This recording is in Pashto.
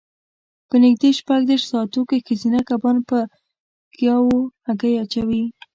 په نږدې شپږ دېرش ساعتو کې ښځینه کبان پر ګیاوو هګۍ اچوي.